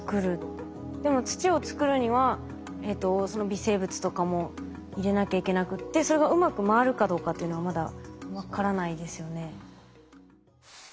でも土を作るにはその微生物とかも入れなきゃいけなくってそれがうまく回るかどうかっていうのはまだ分からないですよね。